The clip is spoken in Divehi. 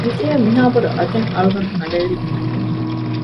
މިގެއަށް މިހާބޮޑު އަގެއް އަޅުގަނޑު ކަނޑައެޅީ އެހެންވެ